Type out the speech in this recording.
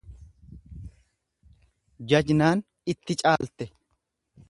Jajnaan itti caalte.